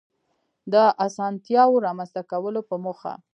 د آسانتیاوو رامنځته کولو په موخه